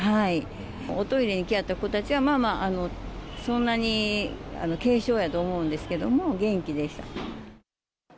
おトイレに来はった子たちは、まあまあ、そんなに軽傷や思うんですけども、元気でした。